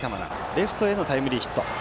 レフトへのタイムリーヒット。